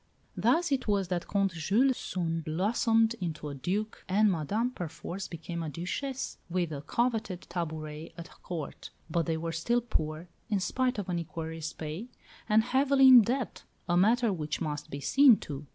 Thus it was that Comte Jules soon blossomed into a Duke, and Madame perforce became a Duchess, with a coveted tabouret at Court. But they were still poor, in spite of an equerry's pay, and heavily in debt, a matter which must be seen to.